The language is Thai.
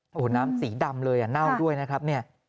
โอ้โหน้ำสีดำเลยเน่าด้วยนะครับเนี่ย